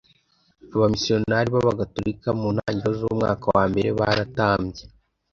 abamisiyoneri b abagatorika mu ntangiriro z umwaka wa mbere baratambye